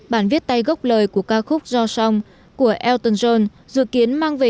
bản viết tay gốc lời của ca khúc jo song của elton john dự kiến mang về